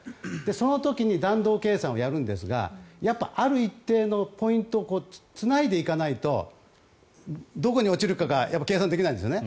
その時に弾道計算をやるんですがやっぱり、ある一定のポイントをつないでいかないとどこに落ちるかが計算できないんですよね。